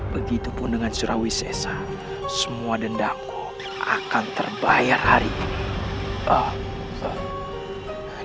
begitu pun dengan surawi sesa semua dendamku akan terbayar hari ini